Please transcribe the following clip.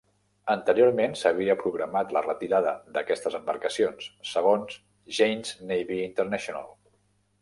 Anteriorment, s'havia programat la retirada d'aquestes embarcacions, segons Jane's Navy International.